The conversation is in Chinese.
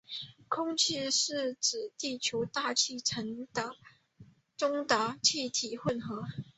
空气是指地球大气层中的气体混合。